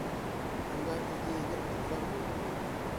Унда ике егет ҡыҙҙар булып кейенә.